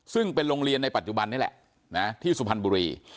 ซึ่งเป็นโรงเรียนในปัจจุบันนี่แหละที่สุพรรณบุรี